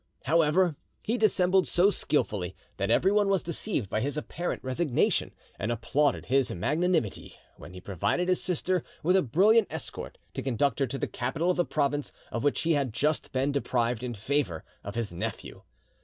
However, he dissembled so skilfully that everyone was deceived by his apparent resignation, and applauded his magnanimity, when he provided his sister with a brilliant escort to conduct her to the capital of the province of which he had just been deprived in favour of his nephew.